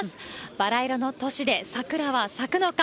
バラ色の都市で桜は咲くのか。